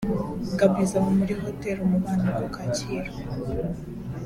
Gabon izaba muri Hotel Umubano ku Kacyiru